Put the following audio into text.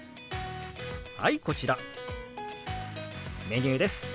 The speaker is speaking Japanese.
はいこちらメニューです。